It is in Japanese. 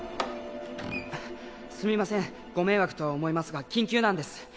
すみませんご迷惑とは思いますが緊急なんです